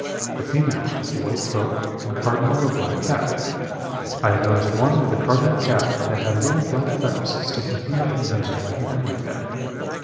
The female has a white throat and cardinal or black cap. I have noticed one with a cardinal cap that had little black feathers sticking here and there like an emery bag.